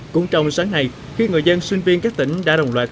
cũng trong sáng nay khi người dân sinh viên các tỉnh đã đồng loạt